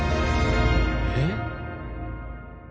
えっ？